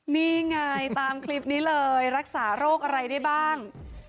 นี่ไงตามคลิปนี้เลยรักษาโรคอะไรได้บ้าง